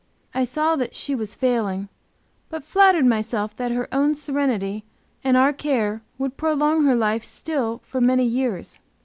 I saw that she was failing, but flattered myself that her own serenity and our care would prolong her life still for many years.